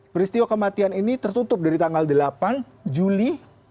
peristiwa kematian ini tertutup dari tanggal delapan juli